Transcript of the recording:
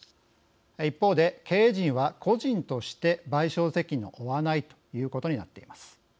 一方で、経営陣は個人として賠償責任を負わないということになっています。